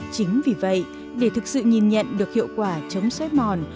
chính vì vậy để thực sự nhìn nhận được hiệu quả chống xói mòn